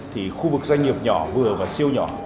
thì khu vực doanh nghiệp nhỏ vừa và siêu nhỏ